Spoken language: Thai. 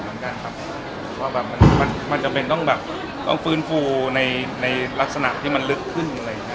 มันจะเป็นต้องแบบต้องฟื้นฟูในลักษณะที่มันลึกขึ้น